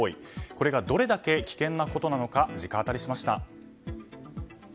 これがどれだけ危険なことなのか直アタリしました。